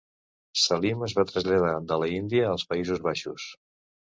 Salim es va traslladar de la Índia als Països Baixos.